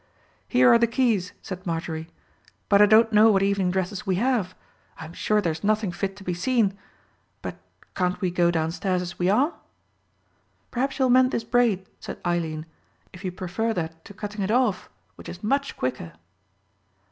"Here are the keys," said Marjorie; "but I don't know what evening dresses we have. I am sure there is nothing fit to be seen. But can't we go downstairs as we are?" "Perhaps you'll mend this braid," said Eileen, "if you prefer that to cutting it off, which is much quicker."